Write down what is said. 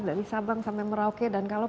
dari sabang sampai merauke dan kalau